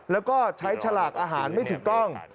แล้วก็ใช้ฉลากอาหารไม่ถูกต้อง